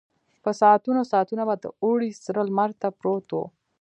په ساعتونو ساعتونو به د اوړي سره لمر ته پروت و.